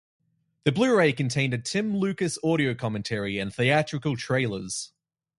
The Blu-ray contained a Tim Lucas audio commentary and theatrical trailers.